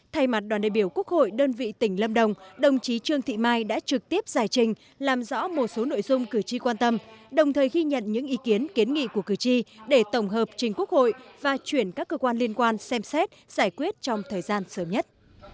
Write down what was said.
thay mặt đoàn đại biểu quốc hội đơn vị tỉnh lâm đồng đồng chí trương thị mai đã trực tiếp giải trình làm rõ một số nội dung cử tri quan tâm đồng thời ghi nhận những ý kiến kiến nghị của cử tri để tổng hợp trình quốc hội và chuyển các cơ quan liên quan xem xét giải quyết trong thời gian sớm nhất